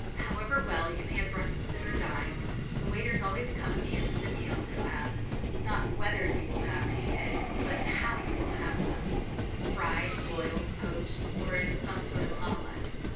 However well you may have breakfasted or dined, the waiters always come at the end of the meal to ask, not whether you will have any eggs, but how you will have them fried, boiled, poached, or in some sort of omelette.